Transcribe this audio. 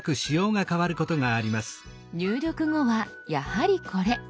入力後はやはりこれ。